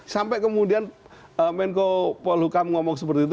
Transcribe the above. sampai kemudian menko polhukam ngomong seperti itu